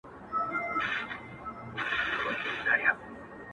• ملنګه ! کوم يوسف ته دې ليدلی خوب بيان کړ؟ -